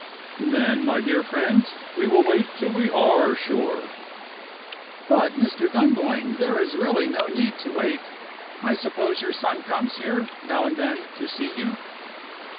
"Then, my dear friend, we will wait till we are sure." "But, Mr. Dunboyne, there is really no need to wait. I suppose your son comes here, now and then, to see you?"